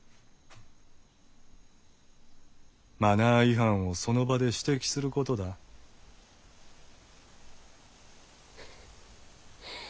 マナー違反をその場で指摘することだッ。